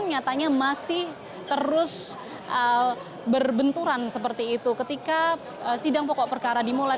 nyatanya masih terus berbenturan seperti itu ketika sidang pokok perkara dimulai